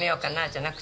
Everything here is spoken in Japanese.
じゃなく